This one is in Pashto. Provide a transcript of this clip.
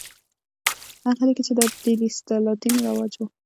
هغه لیکي چې دا د ډیلي د سلاطینو رواج و.